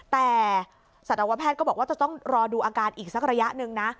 แต่สัตวแพทย์ก็บอกว่าจะต้องรอดูอาการอีกสักระยะหนึ่งนะ